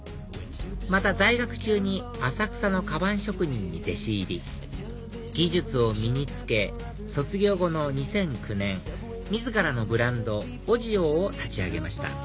また在学中に浅草のかばん職人に弟子入り技術を身につけ卒業後の２００９年自らのブランドＯＺＩＯを立ち上げました